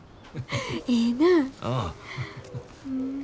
ええなぁ。